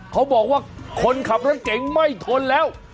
เขาบอกว่าคนขับรถเก่งไม่ทนแล้ว